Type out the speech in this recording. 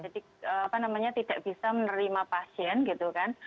jadi tidak bisa menerima pasien gitu kan